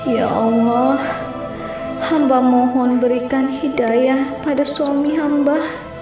ya allah hamba mohon berikan hidayah pada suami hamba